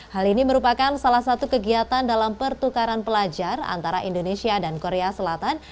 hal ini merupakan salah satu kegiatan dalam pertukaran pelajar antara indonesia dan korea selatan